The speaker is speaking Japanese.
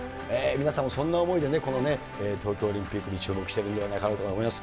皆さんもそんな思いでね、この東京オリンピックに注目してるんではないかなと思います。